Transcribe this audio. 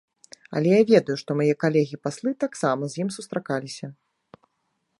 Але я ведаю, што мае калегі-паслы таксама з ім сустракаліся.